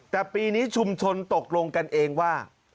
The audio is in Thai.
แต่ปีนี้ชุมชนตกลงกันเองว่า